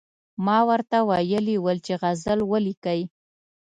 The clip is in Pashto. ما ورته ویلي ول چې غزل ولیکئ.